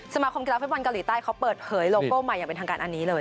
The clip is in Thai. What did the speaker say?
สมาคมกีฬาฟุตบอลเกาหลีใต้เขาเปิดเผยโลโก้ใหม่อย่างเป็นทางการอันนี้เลย